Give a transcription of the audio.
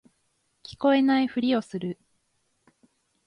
聞こえないふりをする